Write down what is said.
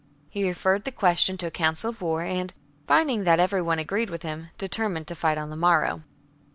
He referred the question to a council of war, and, finding that every one agreed with him, determined to fight on the morrow.